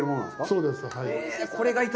そうです、はい。